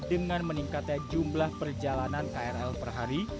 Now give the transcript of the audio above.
dengan meningkatnya jumlah perjalanan krl per hari